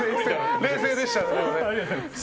冷静でしたね。